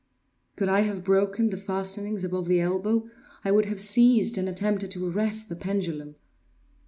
Could I have broken the fastenings above the elbow, I would have seized and attempted to arrest the pendulum.